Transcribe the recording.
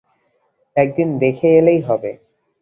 এক দিন দেখে এলেই হবে।